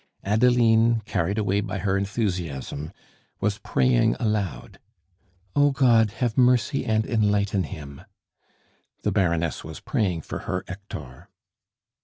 Adeline, carried away by her enthusiasm, was praying aloud: "O God, have mercy and enlighten him!" The Baroness was praying for her Hector.